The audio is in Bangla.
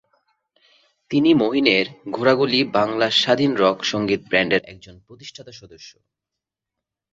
তিনি মহীনের ঘোড়াগুলি বাংলা স্বাধীন রক সঙ্গীত ব্যান্ডের একজন প্রতিষ্ঠাতা সদস্য।